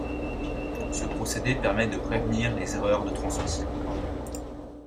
Ce procédé permet de prévenir les erreurs de transmission.